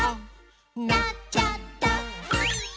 「なっちゃった！」